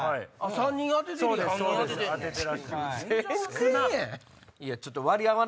３人当ててるやん。